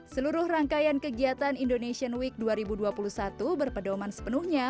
seluruh rangkaian kegiatan indonesian week dua ribu dua puluh satu berpedoman sepenuhnya